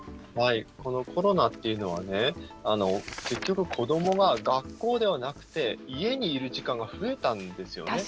このコロナっていうのは結局、子どもが学校ではなくて家にいる時間が増えたんですよね。